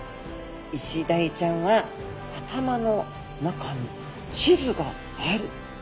イシダイちゃんは頭の中に地図があるお魚。